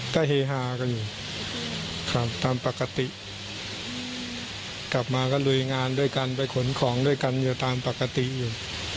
ก็เฮฮากันอยู่ครับตามปกติกลับมาก็ลุยงานด้วยกันไปขนของด้วยกันอยู่ตามปกติอยู่